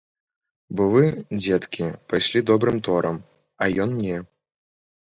Бо вы, дзеткі, пайшлі добрым торам, а ён не.